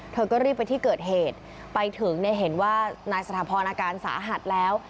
เธอก็รีบไปที่เกิดเหตุไปถึงเนี่ยเห็นว่านายสถาพรอาการสาหัสแล้ว